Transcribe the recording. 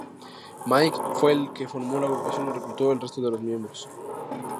Mike, fue el que formó la agrupación y reclutó al resto de los miembros.